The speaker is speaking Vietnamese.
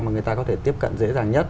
mà người ta có thể tiếp cận dễ dàng nhất